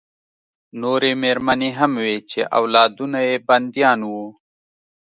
نورې مېرمنې هم وې چې اولادونه یې بندیان وو